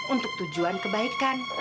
untuk tujuan kebaikan